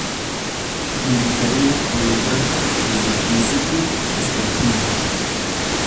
Indicaría, por lo tanto, "desde el principio hasta el fin".